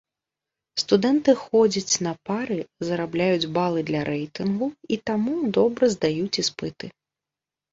Студэнты ходзяць на пары, зарабляюць балы для рэйтынгу, і таму добра здаюць іспыты.